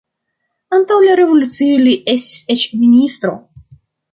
Antaŭ la revolucio li estis eĉ ministro.